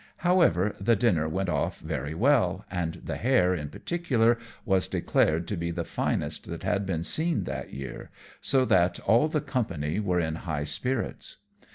However, the dinner went off very well, and the hare, in particular, was declared to be the finest that had been seen that year; so that all the company were in high spirits.